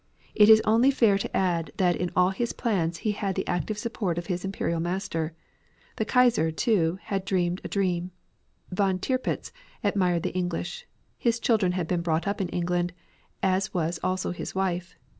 It is only fair to add that in all his plans he had the active support of his Imperial Master. The Kaiser, too, had dreamed a dream. Von Tirpitz admired the English. His children had been brought up in England, as was also his wife.